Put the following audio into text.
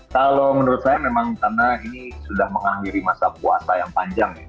kalau menurut saya memang karena ini sudah mengakhiri masa puasa yang panjang ya